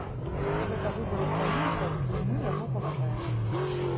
Гэта выбар украінцаў, і мы яго паважаем.